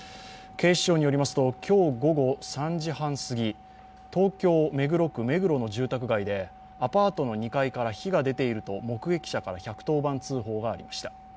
警視庁よりますと、今日午後３時半すぎ、東京・目黒区目黒の住宅街でアパートの２階から火が出ていると目撃者から１１０番通報がありました。